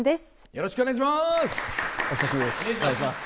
よろしくお願いします。